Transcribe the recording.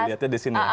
lihatnya di sini